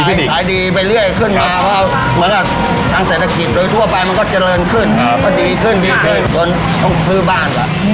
ก็ดีขึ้นดีขึ้นจนต้องซื้อบ้านแหละอื้อไขดีจนซื้อบ้าน